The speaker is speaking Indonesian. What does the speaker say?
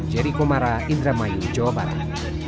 jeri komara indra mayung jawa barat